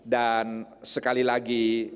dan sekali lagi